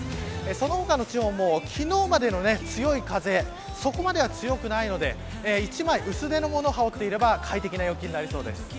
その他の地方も、昨日までの強い風、そこまでは強くないので１枚薄手の物を羽織っていれば快適な陽気になりそうです。